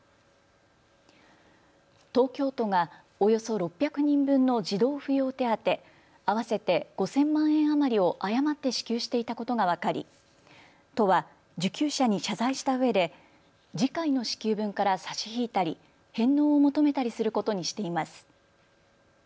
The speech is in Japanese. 東京都がおよそ６００人分の児童扶養手当合わせて５０００万円余りを誤って支給していたことが分かり都は受給者に謝罪したうえで次回の支給分から差し引いたり返納を求めたりすることにしています。